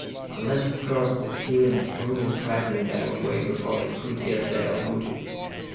Unless, of course, the killing of Rooney frightened them away before they could get their booty."